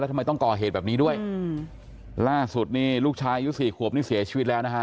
ทำไมต้องก่อเหตุแบบนี้ด้วยอืมล่าสุดนี่ลูกชายอายุสี่ขวบนี่เสียชีวิตแล้วนะฮะ